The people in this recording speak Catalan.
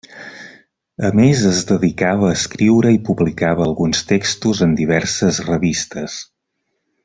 A més es dedicava a escriure i publicava alguns textos en diverses revistes.